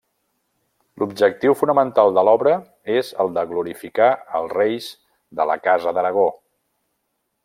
L'objectiu fonamental de l'obra és el de glorificar els reis de la Casa d'Aragó.